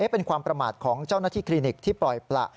เป็นความประมาทของเจ้าหน้าที่คลินิกที่ปล่อยประ